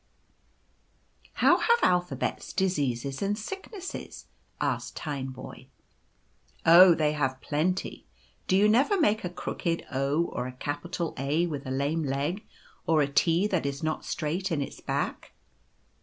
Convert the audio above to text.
i€ How have Alphabets diseases and sicknesses ?" asked Tineboy. u Oh, they have plenty. Do you never make a crooked o or a capital A with a lame leg, or a T that is not straight in its back